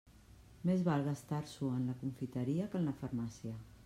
Més val gastar-s'ho en la confiteria que en la farmàcia.